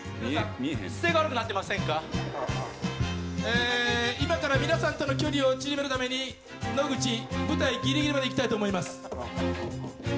ええ今から皆さんとの距離を縮めるために野口舞台ギリギリまで行きたいと思います。